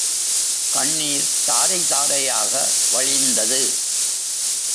கண்ணீர் தாரை தாரையாக வழிந்தது.